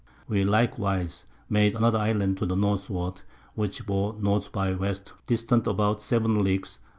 We likewise made another Island to the Northward, which bore N. by W. distant about 7 Leagues.